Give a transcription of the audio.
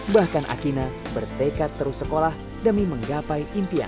bahkan akina bertekad terus sekolah demi menggapai impian